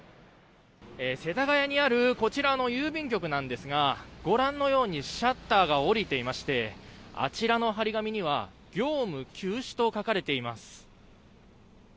世田谷にあるこちらの郵便局ですがご覧のようにシャッターが下りていましてあちらの貼り紙には業務休止と書かれています。